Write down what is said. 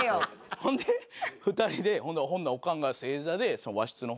ほんで２人でほんならオカンが正座で和室の方待ってて。